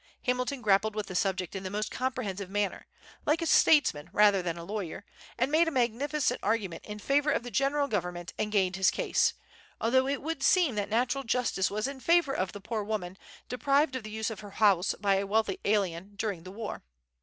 Hamilton grappled with the subject in the most comprehensive manner, like a statesman rather than a lawyer, made a magnificent argument in favor of the general government, and gained his case; although it would seem that natural justice was in favor of the poor woman, deprived of the use of her house by a wealthy alien, during the war.